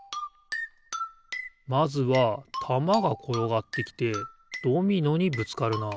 まずはたまがころがってきてドミノにぶつかるなあ。